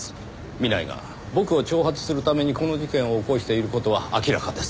南井が僕を挑発するためにこの事件を起こしている事は明らかです。